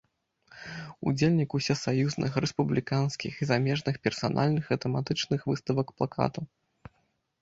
Удзельнік усесаюзных, рэспубліканскіх і замежных, персанальных і тэматычных выставак плакату.